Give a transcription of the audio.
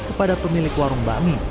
kepada pemilik warung bami